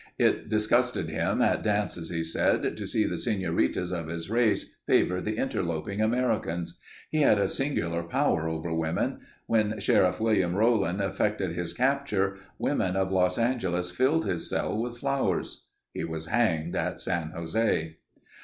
It disgusted him at dances he said, to see the senoritas of his race favor the interloping Americans. He had a singular power over women. When Sheriff William Rowland effected his capture, women of Los Angeles filled his cell with flowers. He was hanged at San Jose.